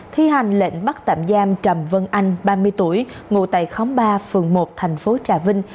thi hành lệnh bắt tạm giam trầm vân anh ba mươi tuổi ngụ tại khóm ba phường một thành phố trà vinh